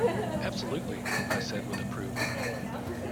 "Absolutely," I said with approval.